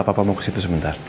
papa mau kesitu sebentar